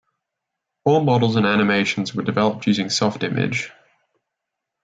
All models and animations were developed using Softimage.